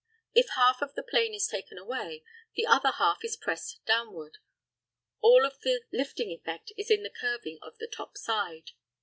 If half of the plane is taken away, the other half is pressed downward. All of the lifting effect is in the curving of the top side.